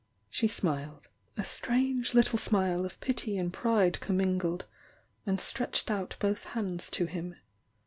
" She smiled — a strange little smile of pity and pride commingled, and stretched out both hands to him.